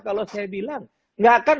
kalau saya bilang nggak akan